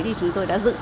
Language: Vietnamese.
thì chúng tôi đã dựng